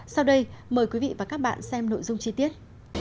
sau đây mời quý vị và các bạn xem nội dung chi tiết